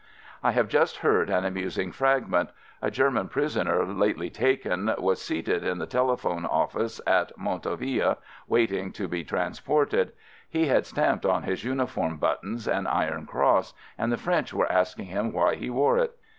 I have just heard an amusing fragment. A German prisoner lately taken, was seated in the telephone office at Montau ville, waiting to be transported. He had stamped on his uniform buttons an iron cross, and the French were asking him why he wore it.